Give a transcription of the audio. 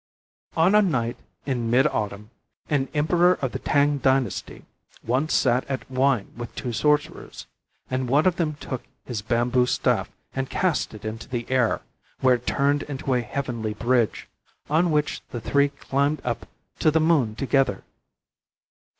On a night in mid autumn, an emperor of the Tang dynasty once sat at wine with two sorcerers. And one of them took his bamboo staff and cast it into the air, where it turned into a heavenly bridge, on which the three climbed up to the moon together.